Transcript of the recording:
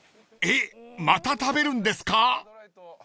［えっまた食べるんですか？］